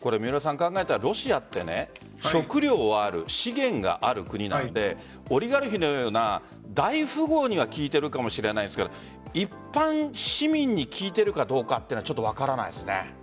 考えたらロシアって食料はある資源がある国なのでオリガルヒのような大富豪には効いているかもしれないですが一般市民に効いているかどうかは分からないですね。